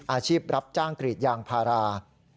อาชีพรับจ้างกรีดยางพารา